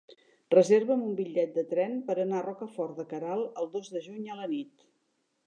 Reserva'm un bitllet de tren per anar a Rocafort de Queralt el dos de juny a la nit.